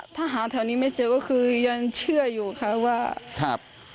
ถ้าหาแถวนี้ไม่เจอก็คือยังเชื่ออยู่ค่ะว่าครับ